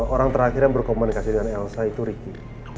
orang terakhir yang berkomunikasi dengan elsa itu ricky